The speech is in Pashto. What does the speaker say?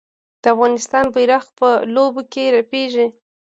د افغانستان بیرغ په لوبو کې رپیږي.